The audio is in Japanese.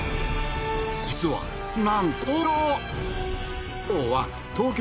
実はなんと東京。